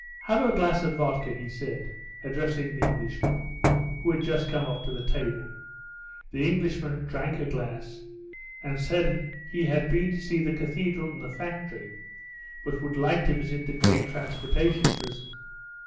"Have a glass of vodka," he said, addressing the Englishman, who had just come up to the table. The Englishman drank a glass, and said he had been to see the cathedral and the factory, but would like to visit the great transportation prison.